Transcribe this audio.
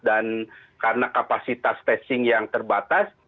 dan karena kapasitas testing yang terbatas